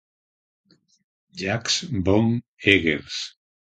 Jacques von Eggers".